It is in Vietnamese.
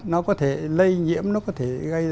nó có thể lây nhiễm nó có thể gây